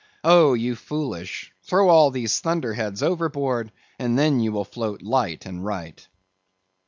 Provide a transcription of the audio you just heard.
Oh, ye foolish! throw all these thunder heads overboard, and then you will float light and right.